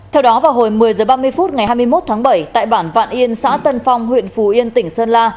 theo đó vào hồi một mươi h ba mươi phút ngày hai mươi một tháng bảy tại bản vạn yên xã tân phong huyện phù yên tỉnh sơn la